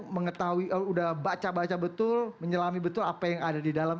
mengetahui udah baca baca betul menyelami betul apa yang ada di dalam